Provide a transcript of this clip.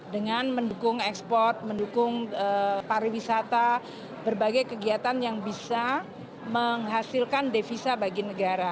dengan mendukung ekspor mendukung pariwisata berbagai kegiatan yang bisa menghasilkan devisa bagi negara